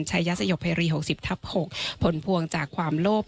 ใช้ยาสยพรี๖๐ทับ๖ผลพวงจากความโลภ